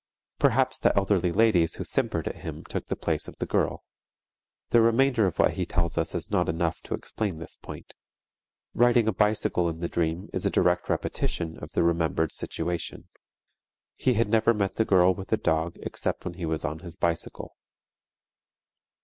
Perhaps the elderly ladies who simpered at him took the place of the girl. The remainder of what he tells us is not enough to explain this point. Riding a bicycle in the dream is a direct repetition of the remembered situation. He had never met the girl with the dog except when he was on his bicycle.